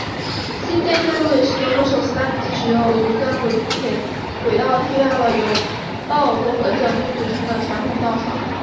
新建线路也是德国首次大面积使用无砟轨道替代了由道砟和枕木组成的传统道床。